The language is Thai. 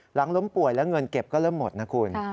หลังล้มป่วยแล้วเงินเก็บก็เริ่มหมดนะคุณ